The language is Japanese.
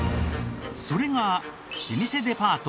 それが老舗デパート